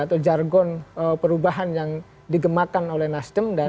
atau jargon perubahan yang digemakkan oleh nasional